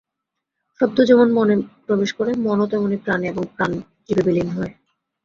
শব্দ যেমন মনে প্রবেশ করে, মনও তেমনি প্রাণে এবং প্রাণ জীবে বিলীন হয়।